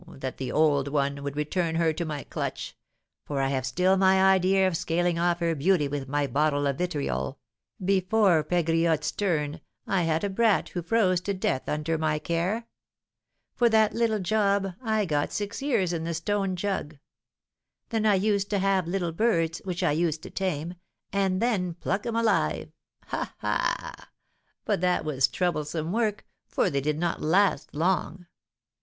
that the 'old one' would return her to my clutch! for I have still my idea of scaling off her beauty with my bottle of vitriol) before Pegriotte's turn, I had a brat who froze to death under my care. For that little job, I got six years in the 'Stone Jug.' Then I used to have little birds, which I used to tame, and then pluck 'em alive. Ha! ha! but that was troublesome work, for they did not last long.